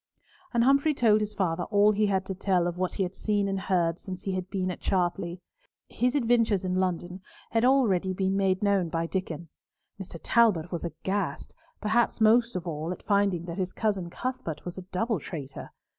And Humfrey told his father all he had to tell of what he had seen and heard since he had been at Chartley. His adventures in London had already been made known by Diccon. Mr. Talbot was aghast, perhaps most of all at finding that his cousin Cuthbert was a double traitor.